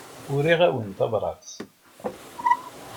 Uriɣ-awen tabrat.